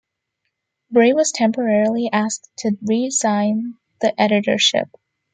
Bray was temporarily asked to resign the editorship.